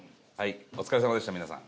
お疲れさまでした、皆さん。